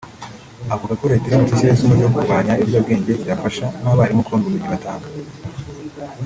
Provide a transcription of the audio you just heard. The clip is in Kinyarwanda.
Avuga ko leta iramutse ishyizeho isomo ryo kurwanya ibiyobyabwenge byafasha n’abarimu kubona ubumenyi batanga